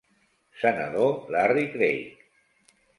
Senador, Larry Craig.